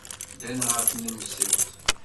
Ddan ɣer tnemselt.